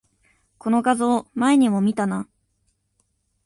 この画像、前にも見たな